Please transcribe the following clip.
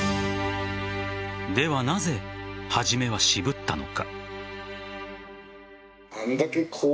ではなぜ、初めは渋ったのか。